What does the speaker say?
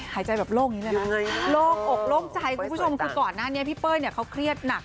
หายใจแบบโลกนี้เลยนะโล่งอกโล่งใจคุณผู้ชมคือก่อนหน้านี้พี่เป้ยเนี่ยเขาเครียดหนัก